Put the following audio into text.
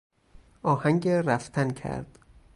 آهنگ رفتن کرد.